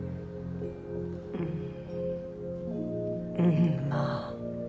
うんうんまあ。